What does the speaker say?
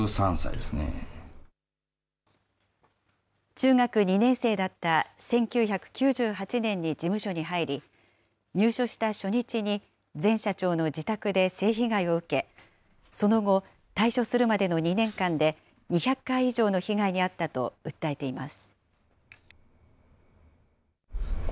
中学２年生だった１９９８年に事務所に入り、入所した初日に前社長の自宅で性被害を受け、その後、退所するまでの２年間で２００回以上の被害に遭ったと訴えています。